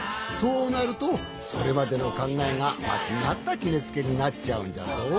そうなるとそれまでのかんがえがまちがったきめつけになっちゃうんじゃぞ。